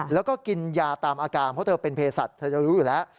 แล้วก็กินยาตามอาการเพราะเธอเป็นเพศสัตว์เธอจะรู้อยู่แล้ว